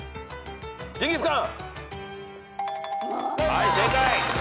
はい正解！